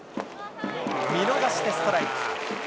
見逃してストライク。